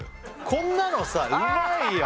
こんなのさうまいよ！